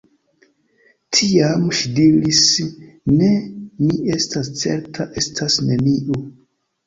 Tiam ŝi diris: Ne — mi estas certa — estas neniu.